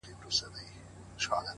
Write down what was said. وجود چي د ژوند ټوله محبت خاورې ايرې کړ!